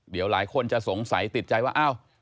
เดี๋ยวหลายคนจะสงสัยติดใจว่าอ้าว